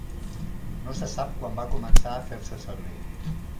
No se sap quan va començar a fer-se servir.